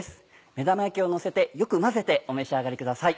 目玉焼きをのせてよく混ぜてお召し上がりください。